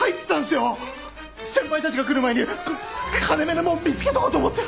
先輩たちが来る前に金目のもん見つけとこうと思って。